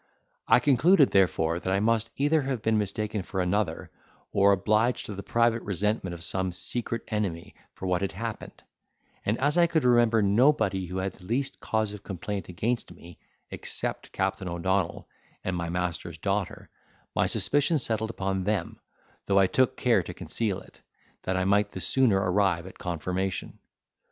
I concluded, therefore, that I must either have been mistaken for another, or obliged to the private resentment of some secret enemy for what had happened; and as I could remember nobody who had the least cause of complaint against me, except Captain O'Donnell and my master's daughter, my suspicion settled upon them, though I took care to conceal it, that I might the sooner arrive at confirmation.